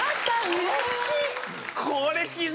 うれしい！